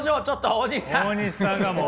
大西さんがもう。